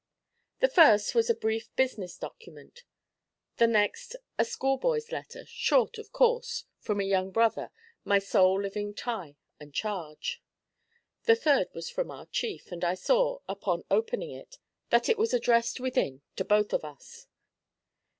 The first was a brief business document; the next a schoolboy's letter, short, of course, from a young brother, my sole living tie and charge. The third was from our chief, and I saw, upon opening it, that it was addressed, within, to both of us.